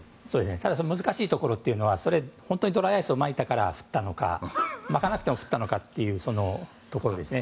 ただ、難しいところは本当にドライアイスをまいたから降ったのかまかなくても降ったのかというところですね。